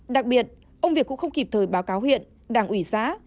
đặc biệt ông việt cũng không kịp thời báo cáo huyện đảng ủy xã